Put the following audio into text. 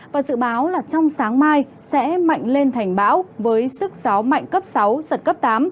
và dự báo là trong sáng mai sẽ mạnh lên thành bão với sức gió mạnh cấp sáu giật cấp tám